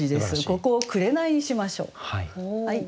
ここを「くれない」にしましょう。